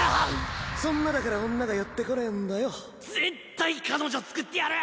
そんなだから女が寄ってこね絶対彼女つくってやる！